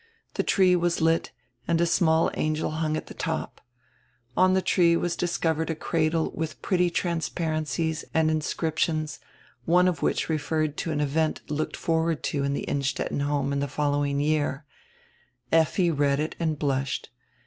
The tree was lit, and a small angel hung at die top. On die tree was discovered a cradle widi pretty transparencies and inscriptions, one of which referred to an event looked forward to in die Innstetten home die following year. Effi read it and blushed.